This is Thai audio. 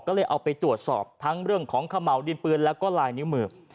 ก็เลยเอาไปตรวจสอบทั้งเรื่องของเขม่าวดินปืนแล้วก็ลายนิ้วมือ